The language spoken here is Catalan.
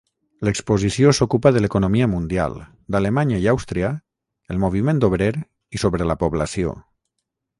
L’exposició s’ocupa de l’economia mundial, d’Alemanya i Àustria, el moviment obrer i sobre la població.